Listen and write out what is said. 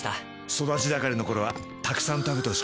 育ち盛りの頃はたくさん食べてほしくて。